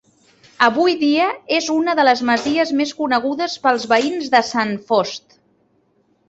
Avui dia és una de les masies més conegudes pels veïns de Sant Fost.